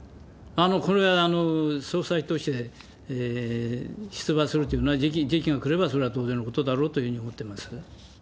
これは総裁として出馬するというのは、時期が来れば、それは当然のことだろうというふうに思ってます。